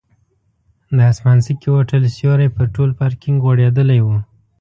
د اسمانځکي هوټل سیوری پر ټول پارکینک غوړېدلی و.